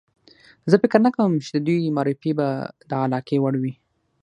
زه فکر نه کوم چې د دوی معرفي به د علاقې وړ وي.